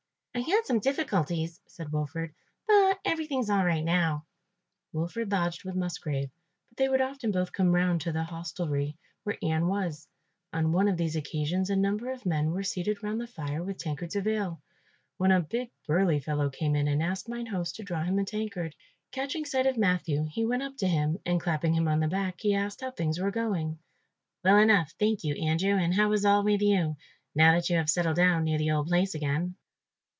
"I had some difficulties," said Wilfred, "but everything is all right now." Wilfred lodged with Musgrave, but they would often both come round to the hostelry where Ian was. On one of these occasions a number of men were seated round the fire with tankards of ale, when a big burly fellow came in and asked mine host to draw him a tankard. Catching sight of Matthew, he went up to him and clapping him on the back, he asked how things were going. "Well enough, thank you, Andrew, and how is all with you, now that you have settled down near the old place again?"